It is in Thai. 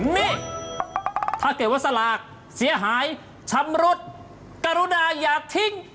นี่ถ้าเกิดว่าสลากเสียหายชำรุดกรุณาอย่าทิ้ง